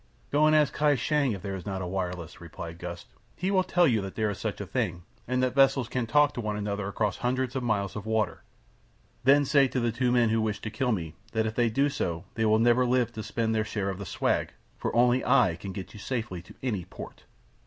"Go and ask Kai Shang if there is not a wireless," replied Gust. "He will tell you that there is such a thing and that vessels can talk to one another across hundreds of miles of water. Then say to the two men who wish to kill me that if they do so they will never live to spend their share of the swag, for only I can get you safely to any port."